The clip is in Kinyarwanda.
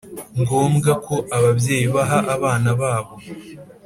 Ngombwa ko ababyeyi baha abana babo